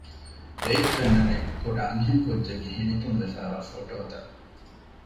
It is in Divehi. އެއިން ފެންނަނީ ކުޑަ އަންހެންކުއްޖެއްގެ ހިނިތުންވެފައިވާ ފޮޓޯއެއް